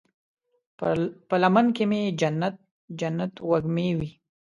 په لمن کې مې جنت، جنت وږمې وی